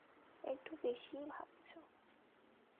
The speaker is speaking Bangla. একটু বেশিই ভাবছো।